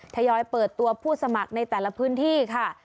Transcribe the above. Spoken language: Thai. ทยอยเปิดตัวผู้สมัครในแต่ละพื้นที่ค่ะ